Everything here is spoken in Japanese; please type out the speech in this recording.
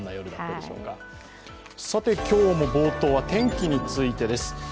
今日も冒頭は天気についてです。